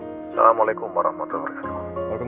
assalamualaikum warahmatullahi wabarakatuh